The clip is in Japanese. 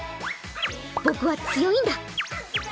僕は強いんだ！